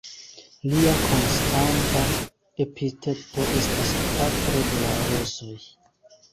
Lia konstanta epiteto estas "patro de la rozoj".